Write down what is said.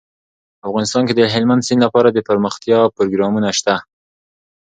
افغانستان کې د هلمند سیند لپاره دپرمختیا پروګرامونه شته.